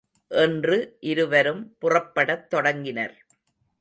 என்று இருவரும் புறப்படத் தொடங்கினர்.